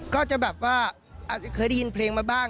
ก็จะแบบว่าอาจจะเคยได้ยินเพลงมาบ้าง